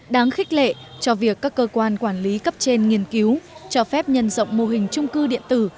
đáng khích lệ cho việc các cơ quan quản lý cấp trên nghiên cứu cho phép nhân rộng mô hình trung cư điện tử